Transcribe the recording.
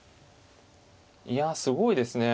いやすごいですね。